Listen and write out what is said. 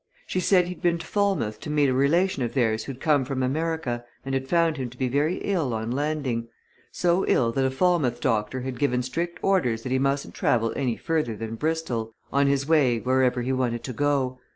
She said he'd been to Falmouth to meet a relation of theirs who'd come from America and had found him to be very ill on landing so ill that a Falmouth doctor had given strict orders that he mustn't travel any further than Bristol, on his way wherever he wanted to go.